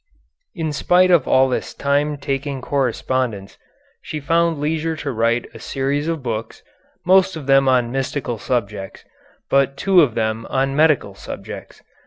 In spite of all this time taking correspondence, she found leisure to write a series of books, most of them on mystical subjects, but two of them on medical subjects.